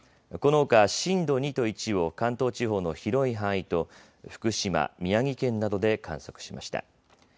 このほか震度２と１を関東地方の広い範囲と福島、宮城県などで観測しました。